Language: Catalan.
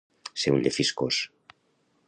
Ser un llefiscós.